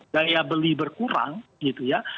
daya beli berkurang gitu ya